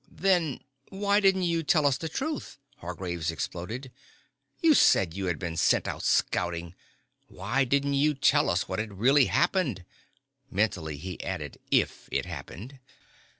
"Then why didn't you tell us the truth?" Hargraves exploded. "You said you had been sent out scouting. Why didn't you tell us what had really happened?" Mentally he added, "If it happened!"